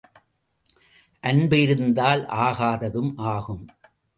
அன்பு இருந்தால் ஆகாததும் ஆகும்.